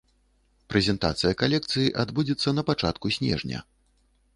Прэзентацыя калекцыі адбудзецца на пачатку снежня.